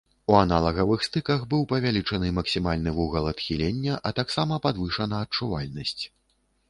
У аналагавых стыках быў павялічаны максімальны вугал адхілення, а таксама падвышана адчувальнасць.